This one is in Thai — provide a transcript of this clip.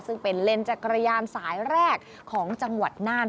ซึ่งเป็นเลนส์จักรยานสายแรกของจังหวัดน่าน